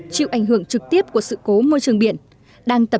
chịu ảnh hưởng trực tiếp của sự cố môi trường biển